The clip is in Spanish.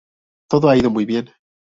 Todo ha ido muy bien".